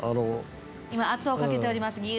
今圧をかけております。